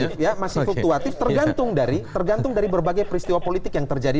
masih fluktuatif tergantung dari tergantung dari berbagai peristiwa politik yang terjadi